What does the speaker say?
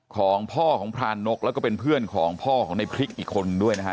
ของพ่อของพรานนกแล้วก็เป็นเพื่อนของพ่อของในพริกอีกคนด้วยนะฮะ